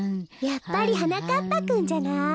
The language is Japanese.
やっぱりはなかっぱくんじゃない？え？